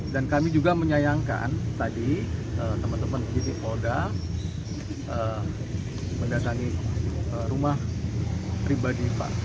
dan kami juga menyayangkan tadi teman teman kiri oda mendatangi rumah pribadi pak